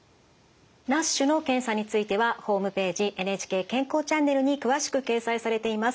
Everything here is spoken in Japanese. ＮＡＳＨの検査についてはホームページＮＨＫ「健康チャンネル」に詳しく掲載されています。